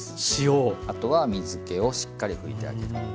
あとは水けをしっかり拭いてあげること。